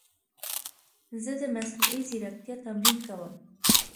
زه د مصنوعي ځیرکتیا تمرین کوم.